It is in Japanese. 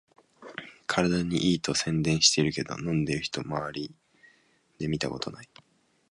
体にいいと宣伝してるけど、飲んでる人まわりで見たことない